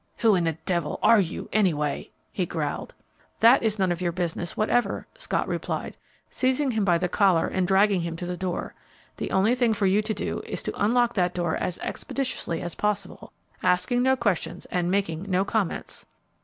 "Who in the devil are you, anyway?" he growled. "That is none of your business whatever," Scott replied, seizing him by the collar and dragging him to the door. "The only thing for you to do is to unlock that door as expeditiously as possible, asking no questions and making no comments."